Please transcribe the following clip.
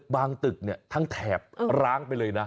บางตึกทั้งแถบร้างไปเลยนะ